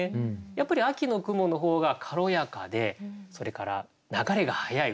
やっぱり秋の雲の方が軽やかでそれから流れが速い。